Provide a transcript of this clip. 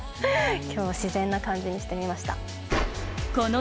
今日は自然な感じにしてみました。